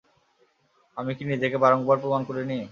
আমি কি নিজেকে বারংবার প্রমাণ করিনি?